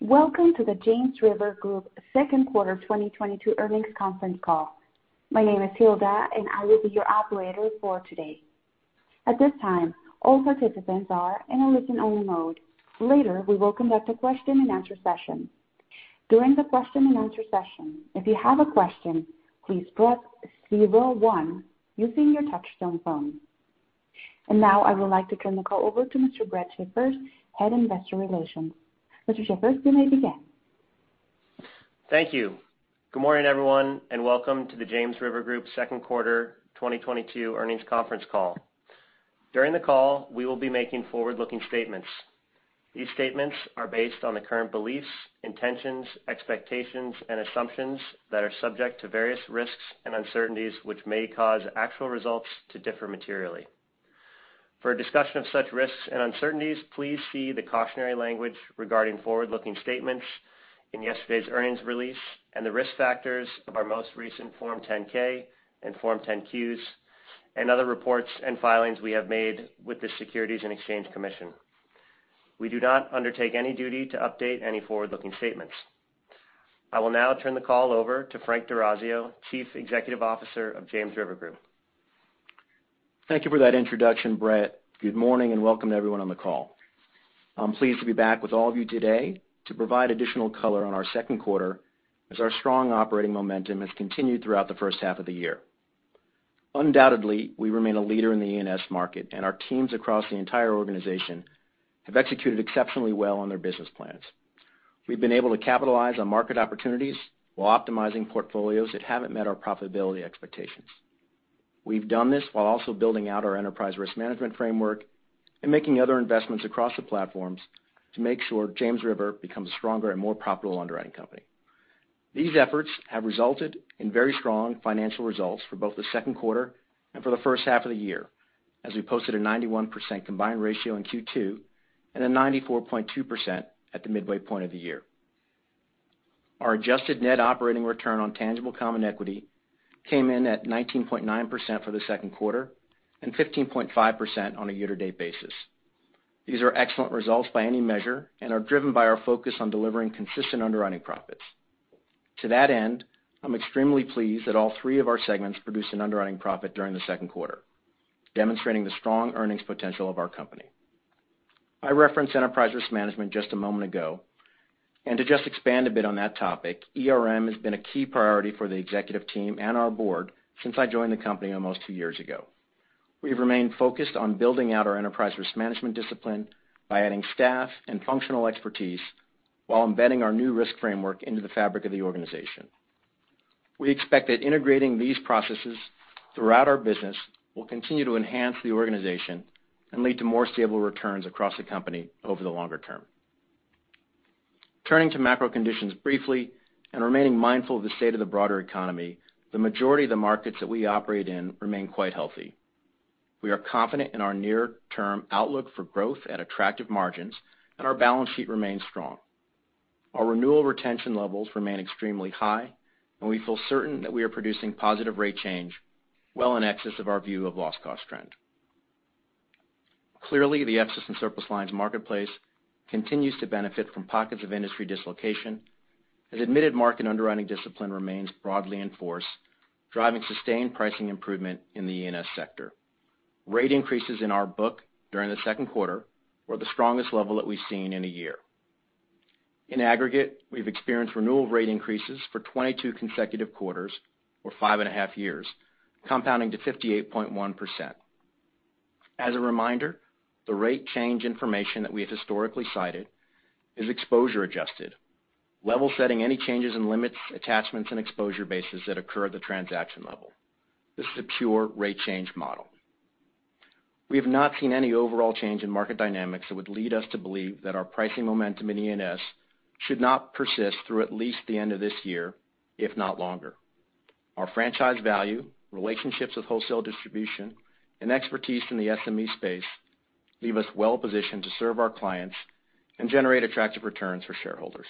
Welcome to the James River Group second quarter 2022 earnings conference call. My name is Hilda and I will be your operator for today. At this time, all participants are in a listen-only mode. Later, we will conduct a question and answer session. During the question and answer session, if you have a question, please press zero one using your touchtone phone. Now I would like to turn the call over to Mr. Brett Shirreffs, Head Investor Relations. Mr. Shirreffs, you may begin. Thank you. Good morning, everyone, and welcome to the James River Group second quarter 2022 earnings conference call. During the call, we will be making forward-looking statements. These statements are based on the current beliefs, intentions, expectations, and assumptions that are subject to various risks and uncertainties, which may cause actual results to differ materially. For a discussion of such risks and uncertainties, please see the cautionary language regarding forward-looking statements in yesterday's earnings release and the risk factors of our most recent Form 10-K and Form 10-Qs, and other reports and filings we have made with the Securities and Exchange Commission. We do not undertake any duty to update any forward-looking statements. I will now turn the call over to Frank D'Orazio, Chief Executive Officer of James River Group. Thank you for that introduction, Brett. Good morning and welcome to everyone on the call. I'm pleased to be back with all of you today to provide additional color on our second quarter as our strong operating momentum has continued throughout the first half of the year. Undoubtedly, we remain a leader in the E&S market, and our teams across the entire organization have executed exceptionally well on their business plans. We've been able to capitalize on market opportunities while optimizing portfolios that haven't met our profitability expectations. We've done this while also building out our enterprise risk management framework and making other investments across the platforms to make sure James River becomes a stronger and more profitable underwriting company. These efforts have resulted in very strong financial results for both the second quarter and for the first half of the year, as we posted a 91% combined ratio in Q2, and a 94.2% at the midway point of the year. Our adjusted net operating return on tangible common equity came in at 19.9% for the second quarter and 15.5% on a year-to-date basis. These are excellent results by any measure and are driven by our focus on delivering consistent underwriting profits. To that end, I'm extremely pleased that all three of our segments produced an underwriting profit during the second quarter, demonstrating the strong earnings potential of our company. I referenced enterprise risk management just a moment ago, to just expand a bit on that topic, ERM has been a key priority for the executive team and our board since I joined the company almost two years ago. We've remained focused on building out our enterprise risk management discipline by adding staff and functional expertise while embedding our new risk framework into the fabric of the organization. We expect that integrating these processes throughout our business will continue to enhance the organization and lead to more stable returns across the company over the longer term. Turning to macro conditions briefly and remaining mindful of the state of the broader economy, the majority of the markets that we operate in remain quite healthy. We are confident in our near-term outlook for growth at attractive margins, and our balance sheet remains strong. Our renewal retention levels remain extremely high, and we feel certain that we are producing positive rate change well in excess of our view of loss cost trend. Clearly, the excess and surplus lines marketplace continues to benefit from pockets of industry dislocation as admitted market underwriting discipline remains broadly in force, driving sustained pricing improvement in the E&S sector. Rate increases in our book during the second quarter were the strongest level that we've seen in a year. In aggregate, we've experienced renewal rate increases for 22 consecutive quarters or five and a half years, compounding to 58.1%. As a reminder, the rate change information that we have historically cited is exposure adjusted, level setting any changes in limits, attachments, and exposure bases that occur at the transaction level. This is a pure rate change model. We have not seen any overall change in market dynamics that would lead us to believe that our pricing momentum in E&S should not persist through at least the end of this year, if not longer. Our franchise value, relationships with wholesale distribution, and expertise in the SME space leave us well positioned to serve our clients and generate attractive returns for shareholders.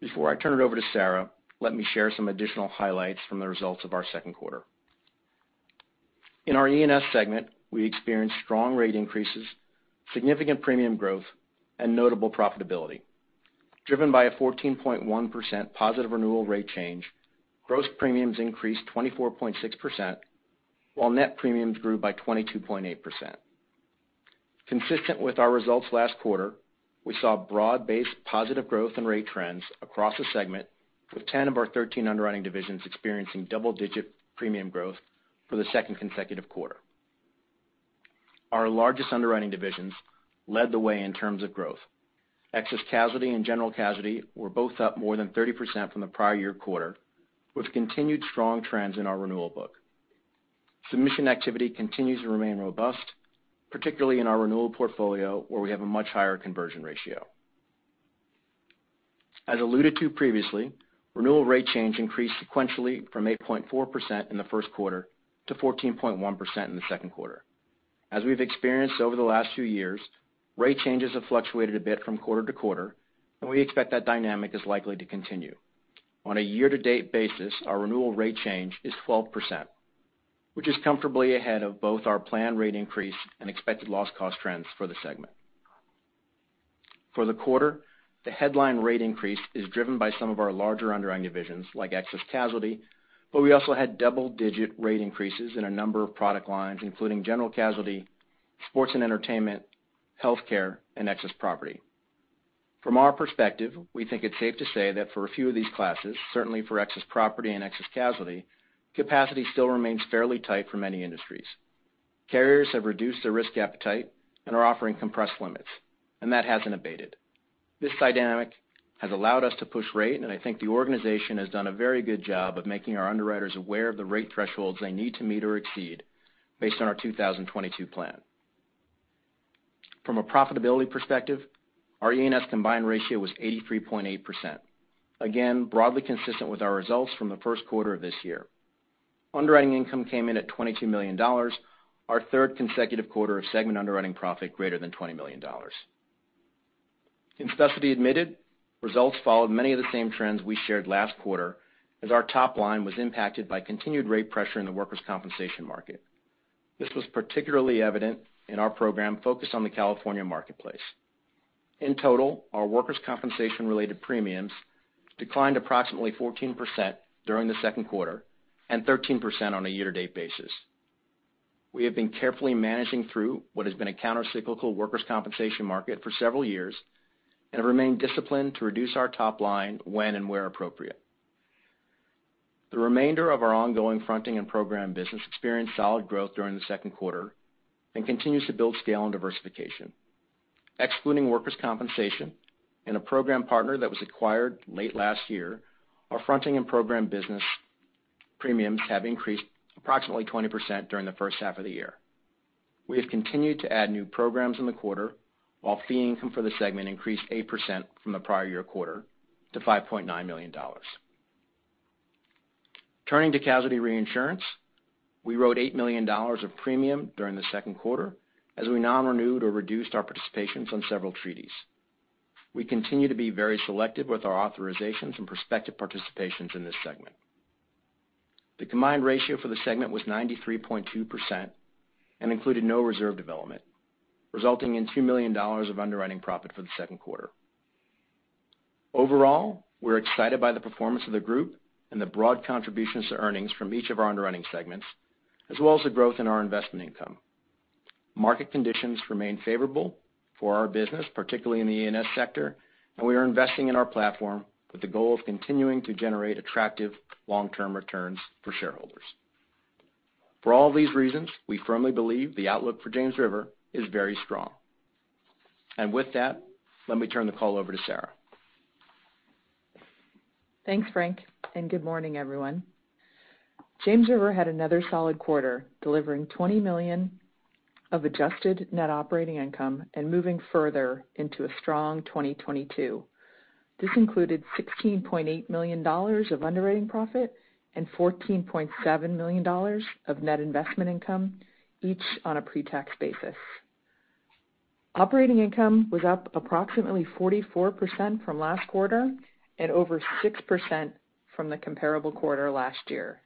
Before I turn it over to Sarah, let me share some additional highlights from the results of our second quarter. In our E&S segment, we experienced strong rate increases, significant premium growth, and notable profitability. Driven by a 14.1% positive renewal rate change, gross premiums increased 24.6%, while net premiums grew by 22.8%. Consistent with our results last quarter, we saw broad-based positive growth and rate trends across the segment, with 10 of our 13 underwriting divisions experiencing double-digit premium growth for the second consecutive quarter. Our largest underwriting divisions led the way in terms of growth. Excess casualty and general casualty were both up more than 30% from the prior year quarter, with continued strong trends in our renewal book. Submission activity continues to remain robust, particularly in our renewal portfolio, where we have a much higher conversion ratio. As alluded to previously, renewal rate change increased sequentially from 8.4% in the first quarter to 14.1% in the second quarter. As we've experienced over the last few years, rate changes have fluctuated a bit from quarter to quarter, and we expect that dynamic is likely to continue. On a year-to-date basis, our renewal rate change is 12%. Which is comfortably ahead of both our planned rate increase and expected loss cost trends for the segment. For the quarter, the headline rate increase is driven by some of our larger underwriting divisions, like excess casualty, but we also had double-digit rate increases in a number of product lines, including general casualty, sports and entertainment, healthcare, and excess property. From our perspective, we think it's safe to say that for a few of these classes, certainly for excess property and excess casualty, capacity still remains fairly tight for many industries. Carriers have reduced their risk appetite and are offering compressed limits, and that hasn't abated. This dynamic has allowed us to push rate, and I think the organization has done a very good job of making our underwriters aware of the rate thresholds they need to meet or exceed based on our 2022 plan. From a profitability perspective, our E&S combined ratio was 83.8%, again, broadly consistent with our results from the first quarter of this year. Underwriting income came in at $22 million, our third consecutive quarter of segment underwriting profit greater than $20 million. In specialty admitted, results followed many of the same trends we shared last quarter, as our top line was impacted by continued rate pressure in the workers' compensation market. This was particularly evident in our program focused on the California marketplace. In total, our workers' compensation-related premiums declined approximately 14% during the second quarter and 13% on a year-to-date basis. We have been carefully managing through what has been a counter-cyclical workers' compensation market for several years and have remained disciplined to reduce our top line when and where appropriate. The remainder of our ongoing fronting and program business experienced solid growth during the second quarter and continues to build scale and diversification. Excluding workers' compensation and a program partner that was acquired late last year, our fronting and program business premiums have increased approximately 20% during the first half of the year. We have continued to add new programs in the quarter, while fee income for the segment increased 8% from the prior year quarter to $5.9 million. Turning to casualty reinsurance, we wrote $8 million of premium during the second quarter, as we non-renewed or reduced our participations on several treaties. We continue to be very selective with our authorizations and prospective participations in this segment. The combined ratio for the segment was 93.2% and included no reserve development, resulting in $2 million of underwriting profit for the second quarter. Overall, we're excited by the performance of the group and the broad contributions to earnings from each of our underwriting segments, as well as the growth in our investment income. Market conditions remain favorable for our business, particularly in the E&S sector, we are investing in our platform with the goal of continuing to generate attractive long-term returns for shareholders. For all these reasons, we firmly believe the outlook for James River is very strong. With that, let me turn the call over to Sarah. Thanks, Frank, good morning, everyone. James River had another solid quarter, delivering $20 million of adjusted net operating income and moving further into a strong 2022. This included $16.8 million of underwriting profit and $14.7 million of net investment income, each on a pre-tax basis. Operating income was up approximately 44% from last quarter and over 6% from the comparable quarter last year.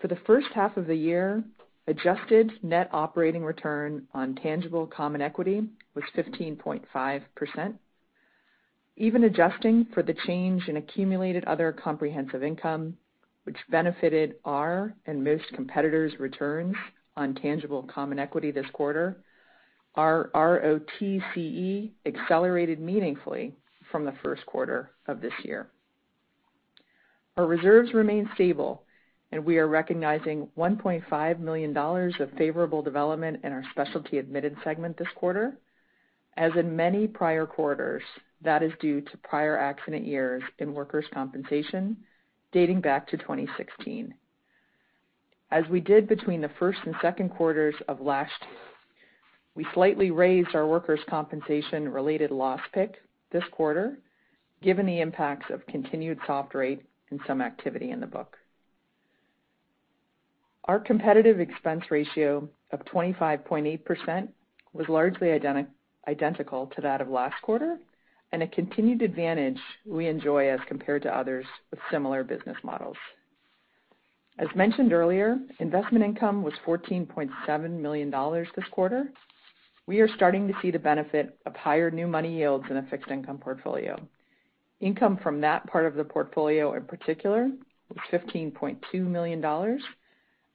For the first half of the year, adjusted net operating return on tangible common equity was 15.5%. Even adjusting for the change in accumulated other comprehensive income, which benefited our and most competitors' returns on tangible common equity this quarter, our ROTCE accelerated meaningfully from the first quarter of this year. Our reserves remain stable, and we are recognizing $1.5 million of favorable development in our specialty admitted segment this quarter. As in many prior quarters, that is due to prior accident years in workers' compensation dating back to 2016. As we did between the first and second quarters of last year, we slightly raised our workers' compensation-related loss pick this quarter, given the impacts of continued soft rate and some activity in the book. Our competitive expense ratio of 25.8% was largely identical to that of last quarter, a continued advantage we enjoy as compared to others with similar business models. As mentioned earlier, investment income was $14.7 million this quarter. We are starting to see the benefit of higher new money yields in a fixed income portfolio. Income from that part of the portfolio in particular was $15.2 million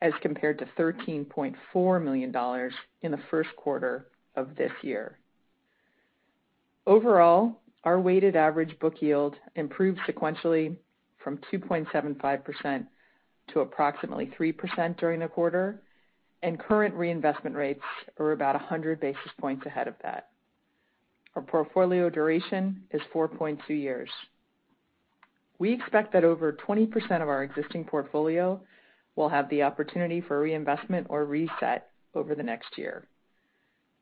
as compared to $13.4 million in the first quarter of this year. Overall, our weighted average book yield improved sequentially from 2.75% to approximately 3% during the quarter, and current reinvestment rates are about 100 basis points ahead of that. Our portfolio duration is 4.2 years. We expect that over 20% of our existing portfolio will have the opportunity for reinvestment or reset over the next year.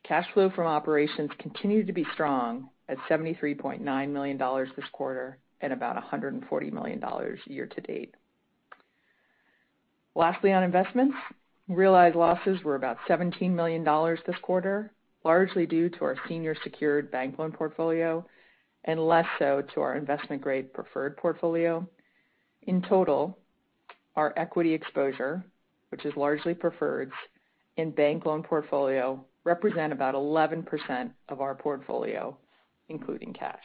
Cash flow from operations continued to be strong at $73.9 million this quarter and about $140 million year to date. Lastly, on investments Realized losses were about $17 million this quarter, largely due to our senior secured bank loan portfolio and less so to our investment-grade preferred portfolio. In total, our equity exposure, which is largely preferreds in bank loan portfolio, represent about 11% of our portfolio, including cash.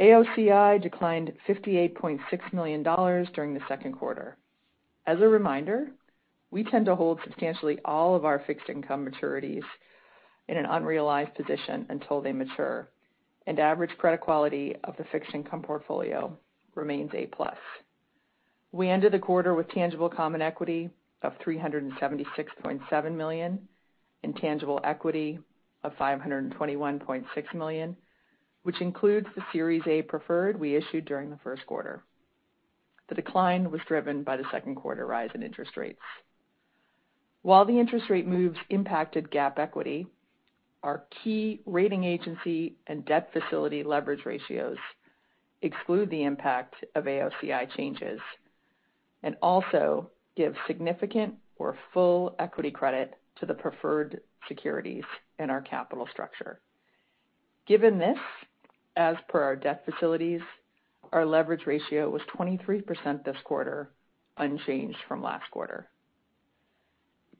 AOCI declined $58.6 million during the second quarter. As a reminder, we tend to hold substantially all of our fixed income maturities in an unrealized position until they mature, and average credit quality of the fixed income portfolio remains A+. We ended the quarter with tangible common equity of $376.7 million and tangible equity of $521.6 million, which includes the Series A preferred we issued during the first quarter. The decline was driven by the second quarter rise in interest rates. While the interest rate moves impacted GAAP equity, our key rating agency and debt facility leverage ratios exclude the impact of AOCI changes and also give significant or full equity credit to the preferred securities in our capital structure. Given this, as per our debt facilities, our leverage ratio was 23% this quarter, unchanged from last quarter.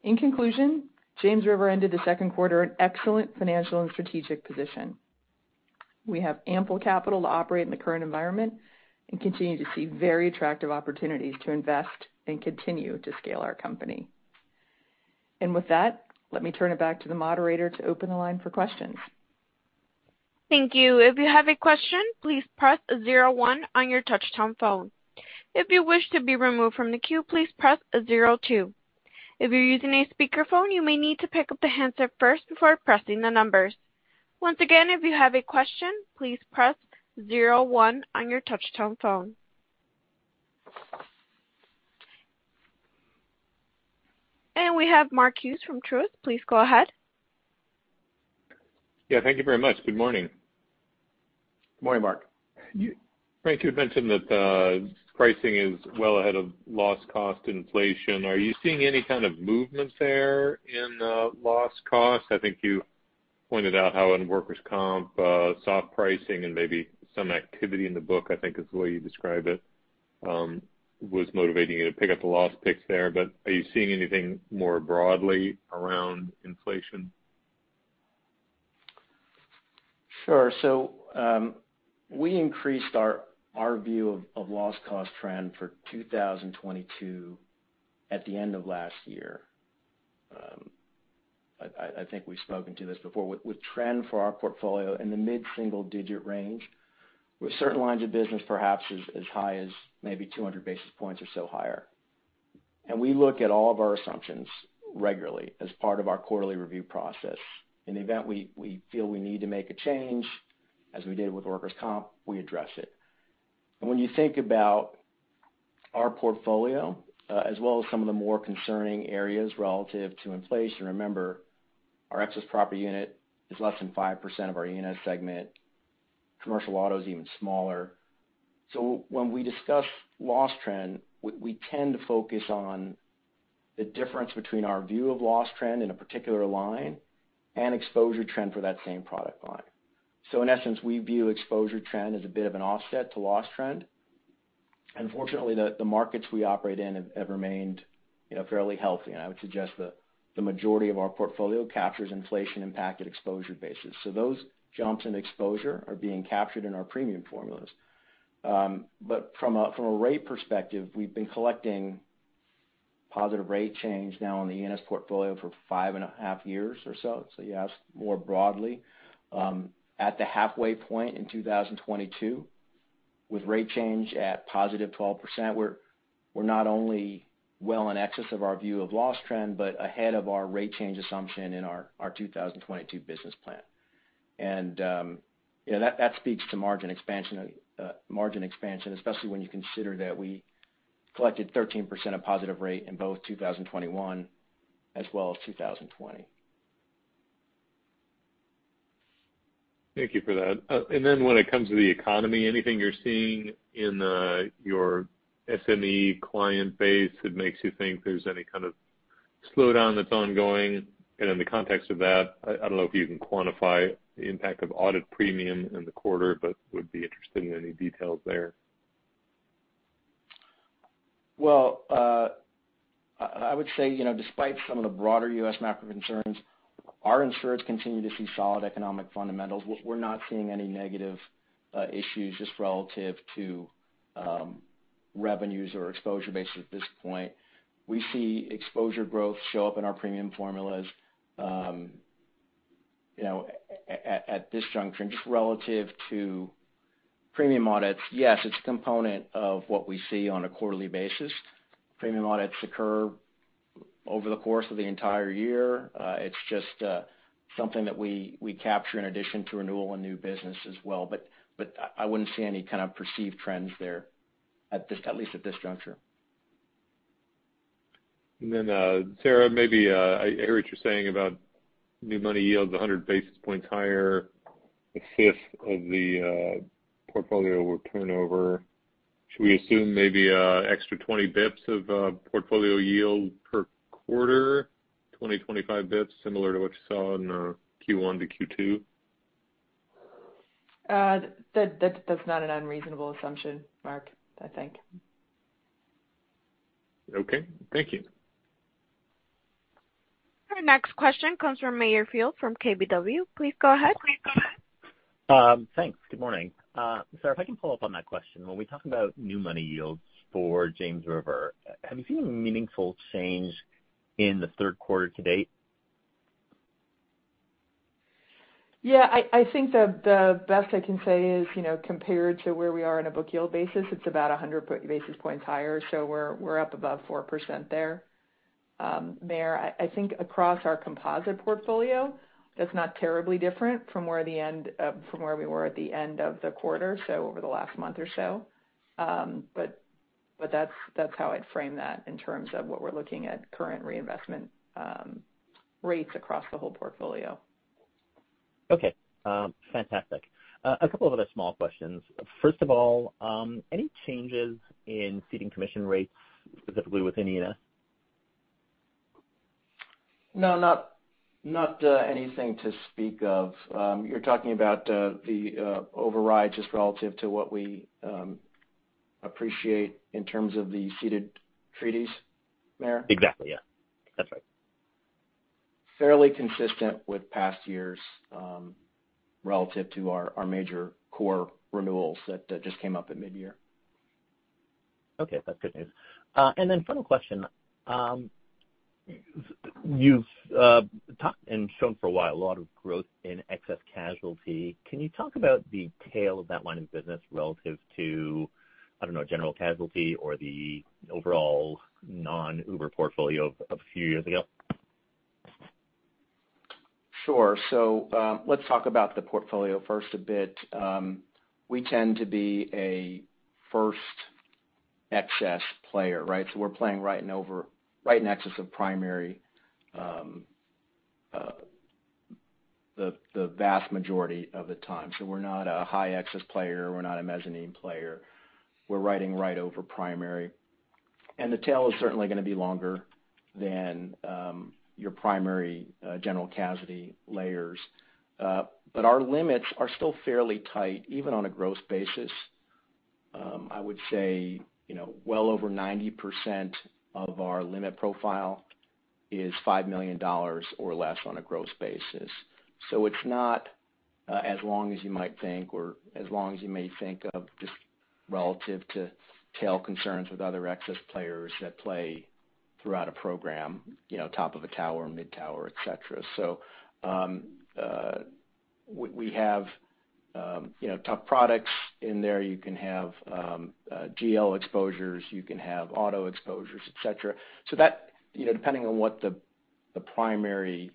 In conclusion, James River ended the second quarter in excellent financial and strategic position. We have ample capital to operate in the current environment and continue to see very attractive opportunities to invest and continue to scale our company. With that, let me turn it back to the moderator to open the line for questions. Thank you. If you have a question, please press zero one on your touchtone phone. If you wish to be removed from the queue, please press zero two. If you're using a speakerphone, you may need to pick up the handset first before pressing the numbers. Once again, if you have a question, please press zero one on your touchtone phone. We have Mark Hughes from Truist. Please go ahead. Yeah, thank you very much. Good morning. Morning, Mark. Frank, you had mentioned that pricing is well ahead of loss cost inflation. Are you seeing any kind of movement there in the loss cost? I think you pointed out how in workers' comp, soft pricing and maybe some activity in the book, I think is the way you described it, was motivating you to pick up the loss picks there. Are you seeing anything more broadly around inflation? Sure. We increased our view of loss cost trend for 2022 at the end of last year. I think we've spoken to this before. With trend for our portfolio in the mid-single-digit range, with certain lines of business perhaps as high as maybe 200 basis points or so higher. We look at all of our assumptions regularly as part of our quarterly review process. In the event we feel we need to make a change, as we did with workers' comp, we address it. When you think about our portfolio, as well as some of the more concerning areas relative to inflation, remember, our excess property unit is less than 5% of our E&S segment. Commercial auto is even smaller. When we discuss loss trend, we tend to focus on the difference between our view of loss trend in a particular line and exposure trend for that same product line. In essence, we view exposure trend as a bit of an offset to loss trend. Fortunately, the markets we operate in have remained fairly healthy, and I would suggest that the majority of our portfolio captures inflation-impacted exposure bases. Those jumps in exposure are being captured in our premium formulas. From a rate perspective, we've been collecting positive rate change now on the E&S portfolio for 5 and a half years or so. You ask more broadly. At the halfway point in 2022, with rate change at positive 12%, we're not only well in excess of our view of loss trend, but ahead of our rate change assumption in our 2022 business plan. That speaks to margin expansion, especially when you consider that we collected 13% of positive rate in both 2021 as well as 2020. Thank you for that. Then when it comes to the economy, anything you're seeing in your SME client base that makes you think there's any kind of slowdown that's ongoing? In the context of that, I don't know if you can quantify the impact of audit premium in the quarter, but would be interested in any details there. Well, I would say despite some of the broader U.S. macro concerns, our insurers continue to see solid economic fundamentals. We're not seeing any negative issues just relative to revenues or exposure bases at this point. We see exposure growth show up in our premium formulas at this juncture. Just relative to premium audits, yes, it's a component of what we see on a quarterly basis. Premium audits occur over the course of the entire year. It's just something that we capture in addition to renewal and new business as well, but I wouldn't see any kind of perceived trends there, at least at this juncture. Then Sarah, maybe I heard what you're saying about new money yields 100 basis points higher. A fifth of the portfolio will turn over. Should we assume maybe an extra 20 basis points of portfolio yield per quarter? 20, 25 basis points, similar to what you saw in Q1 to Q2? That's not an unreasonable assumption, Mark, I think. Okay. Thank you. Our next question comes from Meyer Shields from KBW. Please go ahead. Thanks. Good morning. Sarah, if I can follow up on that question. When we talk about new money yields for James River, have you seen a meaningful change in the third quarter to date? Yeah, I think the best I can say is, compared to where we are on a book yield basis, it's about 100 basis points higher. We're up above 4% there. Meyer, I think across our composite portfolio, that's not terribly different from where we were at the end of the quarter, so over the last month or so. That's how I'd frame that in terms of what we're looking at current reinvestment rates across the whole portfolio. Okay. Fantastic. A couple of other small questions. First of all, any changes in ceding commission rates, specifically within E&S? No, not anything to speak of. You're talking about the overrides just relative to what we appreciate in terms of the ceded treaties, Meyer? Exactly, yeah. That's right. Fairly consistent with past years relative to our major core renewals that just came up at midyear. Okay. That's good news. Final question. You've talked and shown for a while a lot of growth in excess casualty. Can you talk about the tail of that line of business relative to, I don't know, general casualty or the overall non-Uber portfolio of a few years ago? Sure. Let's talk about the portfolio first a bit. We tend to be a first excess player, right? We're playing right in excess of primary the vast majority of the time. We're not a high excess player. We're not a mezzanine player. We're riding right over primary. The tail is certainly going to be longer than your primary general casualty layers. Our limits are still fairly tight, even on a gross basis. I would say, well over 90% of our limit profile is $5 million or less on a gross basis. It's not as long as you might think or as long as you may think of just relative to tail concerns with other excess players that play throughout a program, top of a tower, mid-tower, et cetera. We have top products in there. You can have GL exposures. You can have auto exposures, et cetera. That, depending on what the primary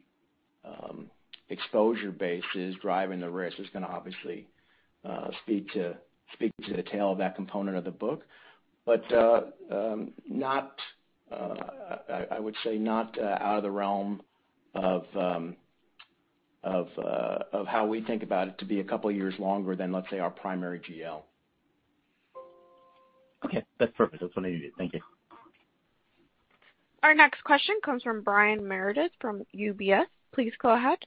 exposure base is driving the risk is going to obviously speak to the tail of that component of the book. I would say not out of the realm of how we think about it to be a couple of years longer than, let's say, our primary GL. Okay. That's perfect. That's what I needed. Thank you. Our next question comes from Brian Meredith from UBS. Please go ahead.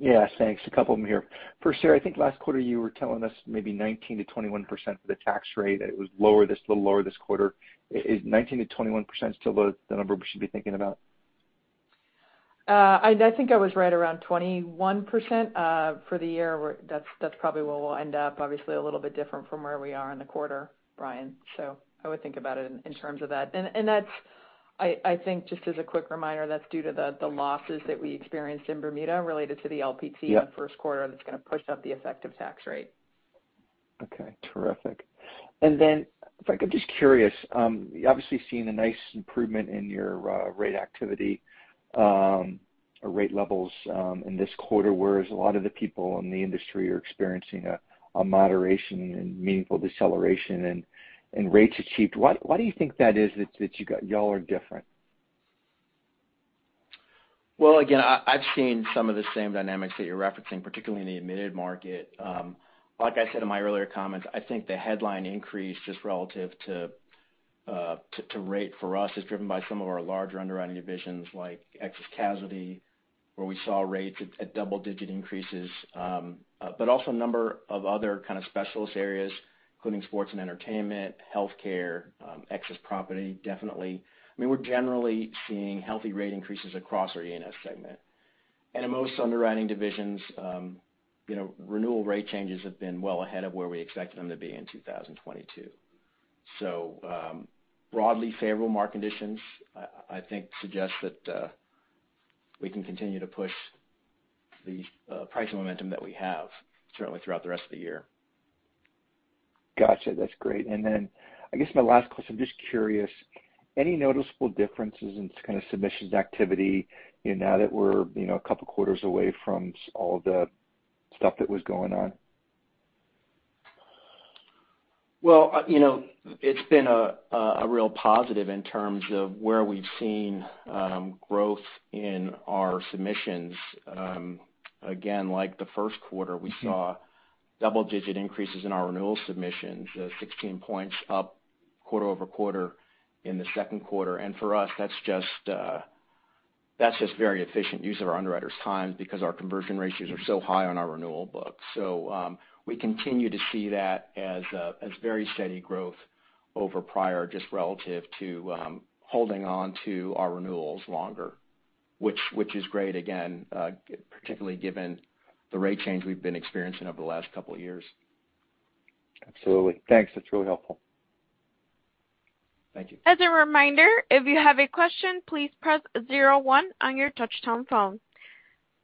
Yes, thanks. A couple of them here. First, Sarah, I think last quarter you were telling us maybe 19%-21% for the tax rate, that it was a little lower this quarter. Is 19%-21% still the number we should be thinking about? I think I was right around 21% for the year. That's probably where we'll end up. Obviously a little bit different from where we are in the quarter, Brian. I would think about it in terms of that. That's, I think, just as a quick reminder, that's due to the losses that we experienced in Bermuda related to the LPT- Yeah in the first quarter that's going to push up the effective tax rate. Okay. Terrific. Frank, I'm just curious. You're obviously seeing a nice improvement in your rate activity or rate levels in this quarter, whereas a lot of the people in the industry are experiencing a moderation and meaningful deceleration in rates achieved. Why do you think that is that you all are different? Well, again, I've seen some of the same dynamics that you're referencing, particularly in the admitted market. Like I said in my earlier comments, I think the headline increase just relative to rate for us is driven by some of our larger underwriting divisions like excess casualty, where we saw rates at double-digit increases. Also a number of other kind of specialist areas, including sports and entertainment, healthcare, excess property, definitely. I mean, we're generally seeing healthy rate increases across our E&S segment. In most underwriting divisions, renewal rate changes have been well ahead of where we expected them to be in 2022. Broadly favorable market conditions I think suggest that we can continue to push the pricing momentum that we have certainly throughout the rest of the year. Got you. That's great. I guess my last question, just curious, any noticeable differences in kind of submissions activity now that we're a couple of quarters away from all the stuff that was going on? Well, it's been a real positive in terms of where we've seen growth in our submissions. Again, like the first quarter, we saw double-digit increases in our renewal submissions, 16 points up quarter-over-quarter in the second quarter. For us, that's just very efficient use of our underwriters' time because our conversion ratios are so high on our renewal book. We continue to see that as very steady growth over prior, just relative to holding on to our renewals longer, which is great again, particularly given the rate change we've been experiencing over the last couple of years. Absolutely. Thanks. That's really helpful. Thank you. As a reminder, if you have a question, please press 01 on your touch-tone phone.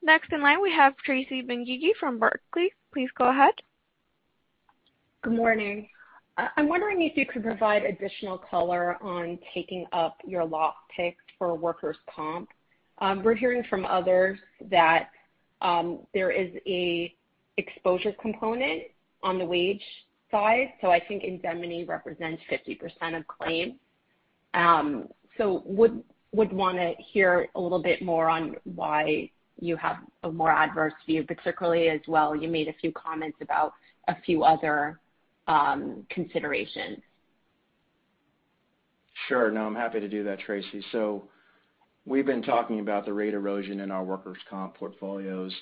Next in line, we have Tracy Benguigui from Barclays. Please go ahead. Good morning. I'm wondering if you could provide additional color on taking up your loss picks for Workers' Comp. We're hearing from others that there is an exposure component on the wage side, so I think indemnity represents 50% of claims. Would want to hear a little bit more on why you have a more adverse view, particularly as well, you made a few comments about a few other considerations. Sure. No, I'm happy to do that, Tracy. We've been talking about the rate erosion in our workers' comp portfolios,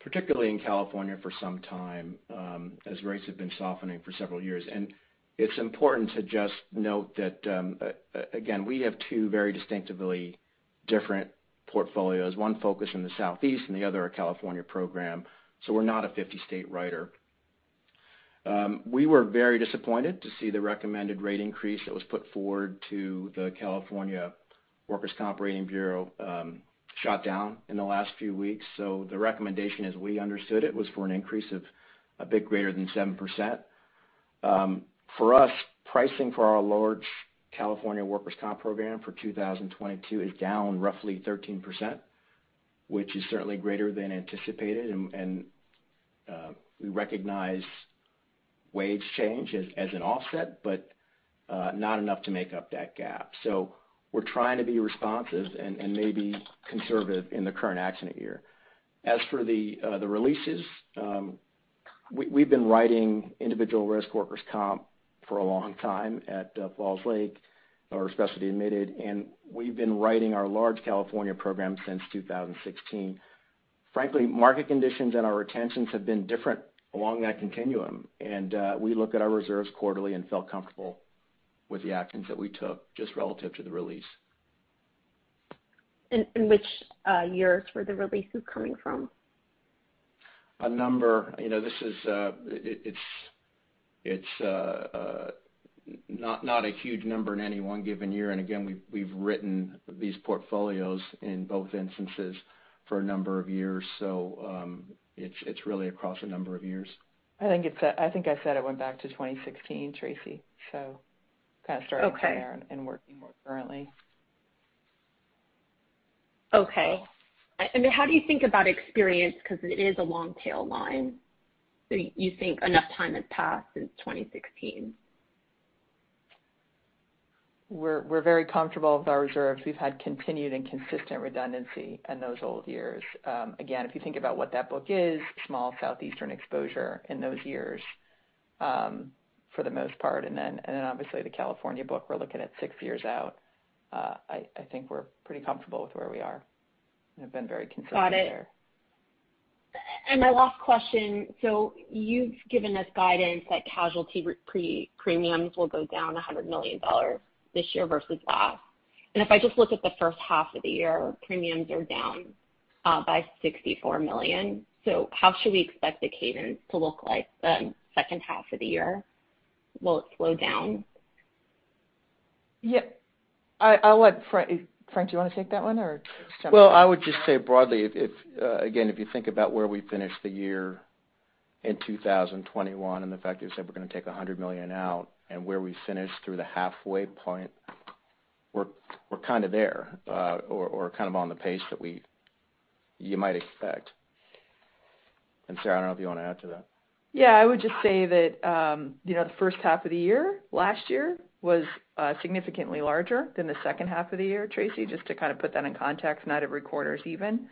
particularly in California, for some time, as rates have been softening for several years. It's important to just note that, again, we have two very distinctively different portfolios, one focused in the Southeast and the other a California program. We're not a 50-state writer. We were very disappointed to see the recommended rate increase that was put forward to the California Workers' Comp Rating Bureau shot down in the last few weeks. The recommendation, as we understood it, was for an increase of a bit greater than 7%. For us, pricing for our large California workers' comp program for 2022 is down roughly 13%, which is certainly greater than anticipated, and we recognize wage change as an offset, but not enough to make up that gap. We're trying to be responsive and maybe conservative in the current accident year. As for the releases, we've been writing individual risk workers' comp for a long time at Falls Lake Insurance, our specialty admitted, and we've been writing our large California program since 2016. Frankly, market conditions and our retentions have been different along that continuum, and we look at our reserves quarterly and felt comfortable with the actions that we took just relative to the release. In which years were the releases coming from? A number. It's not a huge number in any one given year, we've written these portfolios in both instances for a number of years, it's really across a number of years. I think I said it went back to 2016, Tracy. kind of starting from there- Okay working more currently. Okay. how do you think about experience? Because it is a long tail line. you think enough time has passed since 2016? We're very comfortable with our reserves. We've had continued and consistent redundancy in those old years. Again, if you think about what that book is, small southeastern exposure in those years, for the most part, and then obviously the California book, we're looking at six years out. I think we're pretty comfortable with where we are, and have been very consistent there. Got it. My last question, you've given us guidance that casualty premiums will go down $100 million this year versus last. If I just look at the first half of the year, premiums are down by $64 million. How should we expect the cadence to look like the second half of the year? Will it slow down? Yeah. Frank, do you want to take that one, or should I? Well, I would just say broadly, again, if you think about where we finished the year in 2021 and the fact that we said we're going to take $100 million out and where we finished through the halfway point, we're kind of there, or kind of on the pace that you might expect. Sarah, I don't know if you want to add to that. Yeah, I would just say that the first half of the year last year was significantly larger than the second half of the year, Tracy, just to kind of put that in context. Not every quarter is even.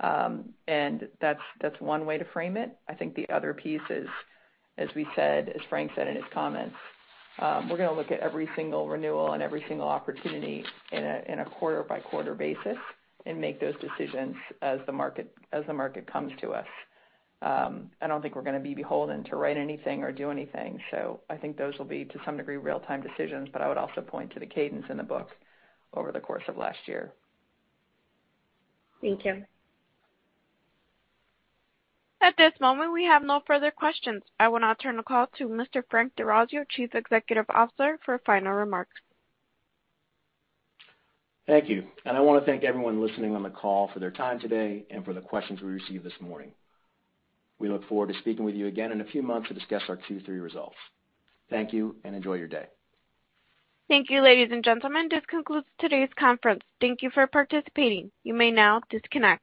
That's one way to frame it. I think the other piece is, as we said, as Frank said in his comments, we're going to look at every single renewal and every single opportunity in a quarter-by-quarter basis and make those decisions as the market comes to us. I don't think we're going to be beholden to write anything or do anything. I think those will be, to some degree, real-time decisions, but I would also point to the cadence in the book over the course of last year. Thank you. At this moment, we have no further questions. I will now turn the call to Mr. Frank D'Orazio, Chief Executive Officer, for final remarks. Thank you. I want to thank everyone listening on the call for their time today and for the questions we received this morning. We look forward to speaking with you again in a few months to discuss our Q3 results. Thank you, and enjoy your day. Thank you, ladies and gentlemen. This concludes today's conference. Thank you for participating. You may now disconnect.